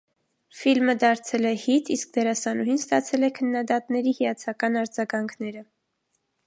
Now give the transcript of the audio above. Ֆիլմը դարձել է հիթ, իսկ դերասանուհին ստացել է քննադատների հիացական արձագանքները։